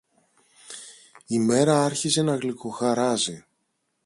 Η μέρα άρχιζε να γλυκοχαράζει.